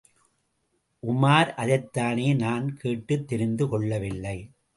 உமார் அதைத்தானே நான் கேட்டுத் தெரிந்து கொள்ளவில்லை.